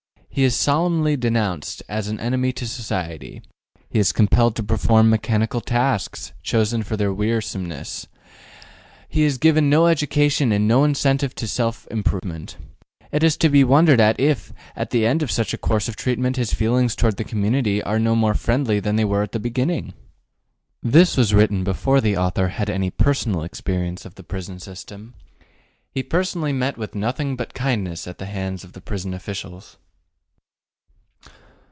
He is solemnly denounced as an enemy to society. He is compelled to perform mechanical tasks, chosen for their wearisomeness. He is given no education and no incentive to self improvement. Is it to be wondered at if, at the end of such a course of treatment, his feelings toward the community are no more friendly than they were at the beginning? This was written before the author had any personal experience of the prison system. He personally met with nothing but kindness at the hands of the prison officials.